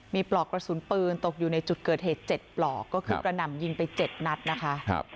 มีปลอกกระสุนปืนตกอยู่ในจุดเกิดเหตุ๗ปลอกก็คือกระหน่ำยิงไป๗นัดนะคะ